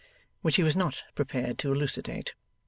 Which he was not prepared to elucidate.